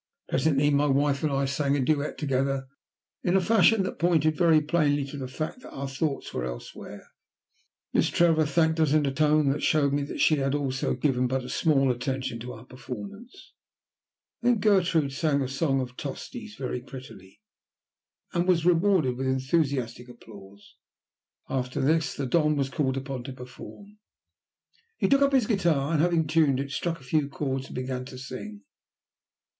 Presently my wife and I sang a duet together, in a fashion that pointed very plainly to the fact that our thoughts were elsewhere. Miss Trevor thanked us in a tone that showed me that she also had given but small attention to our performance. Then Gertrude sang a song of Tosti's very prettily, and was rewarded with enthusiastic applause. After this the Don was called upon to perform. He took up his guitar, and having tuned it, struck a few chords and began to sing.